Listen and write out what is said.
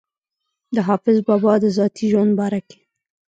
د حافظ بابا د ذاتي ژوند باره کښې